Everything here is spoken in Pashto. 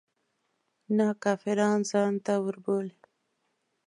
نه کافران ځانته وربولي.